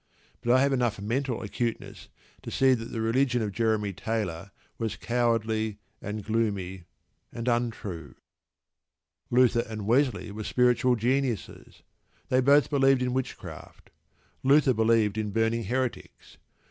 But I have enough mental acuteness to see that the religion of Jeremy Taylor was cowardly, and gloomy, and untrue. Luther and Wesley were spiritual geniuses. They both believed in witchcraft. Luther believed in burning heretics.